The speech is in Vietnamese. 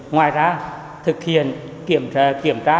ngoài ra thực hiện kiểm tra